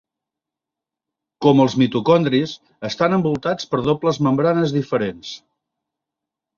Com els mitocondris, estan envoltats per dobles membranes diferents.